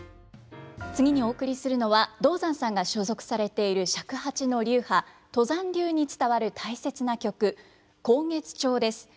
次にお送りするのは道山さんが所属されている尺八の流派都山流に伝わる大切な曲「慷月調」です。